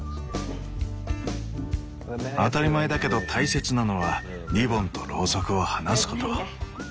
当たり前だけど大切なのはリボンとロウソクを離すこと。